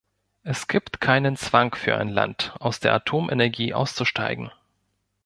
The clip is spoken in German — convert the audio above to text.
Es gibt keinen Zwang für ein Land, aus der Atomenergie auszusteigen.